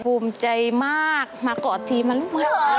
ภูมิใจมากมากอดทีมารุม